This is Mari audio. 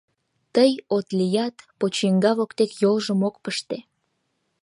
Тый от лият, почиҥга воктек йолжым ок пыште.